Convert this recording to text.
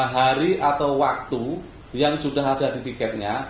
hari atau waktu yang sudah ada di tiketnya